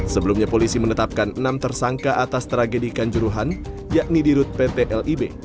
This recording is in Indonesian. sebelumnya polisi menetapkan enam tersangka atas tragedi kanjuruhan yakni dirut pt lib